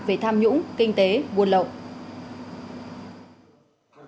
về tham nhũng kinh tế buôn lộ